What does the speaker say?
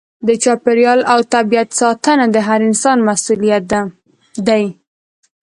د چاپیریال او طبیعت ساتنه د هر انسان مسؤلیت دی.